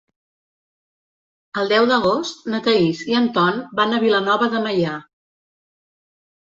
El deu d'agost na Thaís i en Ton van a Vilanova de Meià.